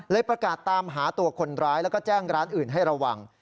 ประกาศตามหาตัวคนร้ายแล้วก็แจ้งร้านอื่นให้ระวัง